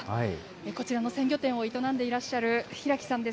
こちらの鮮魚店を営んでいらっしゃる平木さんです。